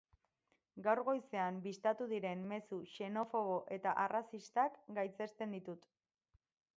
Gaur goizean bistatu diren mezu xenobo eta arrazistak gaitzesten ditut.